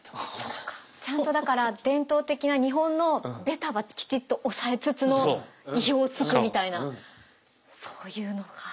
ちゃんとだから伝統的な日本のベタはきちっと押さえつつの意表をつくみたいなそういうのか。